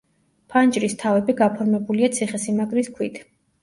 ფანჯრის თავები გაფორმებულია ციხესიმაგრის ქვით.